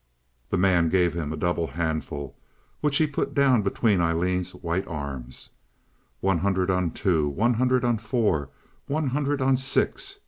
The man gave him a double handful, which he put down between Aileen's white arms. "One hundred on two. One hundred on four. One hundred on six.